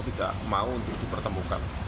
tidak mau untuk dipertemukan